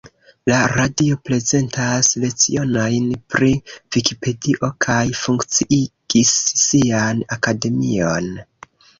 La radio prezentas lecionojn pri Vikipedio kaj funkciigis sian Akademion.